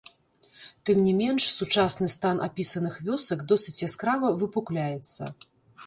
Тым не менш сучасны стан апісаных вёсак досыць яскрава выпукляецца.